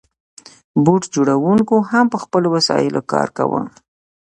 بوټ جوړونکو هم په خپلو وسایلو کار کاوه.